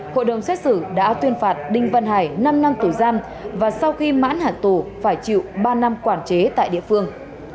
hội đồng xét xử đã tuyên phạt đinh văn hải năm năm tù giam và sau khi mãn hẳn tù phải chịu ba năm quản chế tại địa phương